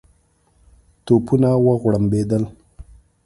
توپونه وغړمبېدل.